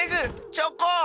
チョコン！